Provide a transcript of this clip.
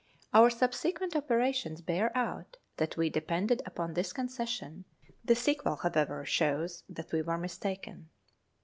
Our subsequent operations bear out that we depended upon this concession; the sequel, however, shows that we were mistaken.